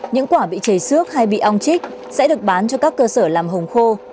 những quả bị chảy xước hay bị ong chích sẽ được bán cho các cơ sở làm hồng khô